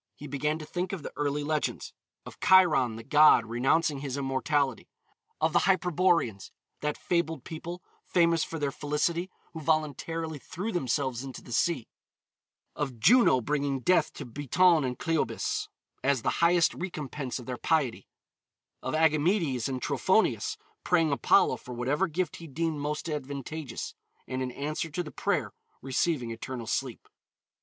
He began to think of the early legends: of Chiron, the god, renouncing his immortality; of the Hyperboreans, that fabled people, famous for their felicity, who voluntarily threw themselves into the sea; of Juno bringing death to Biton and Cleobis as the highest recompense of their piety; of Agamedes and Trophonius, praying Apollo for whatever gift he deemed most advantageous, and in answer to the prayer receiving eternal sleep.